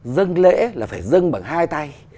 dân lễ là phải dân bằng hai tay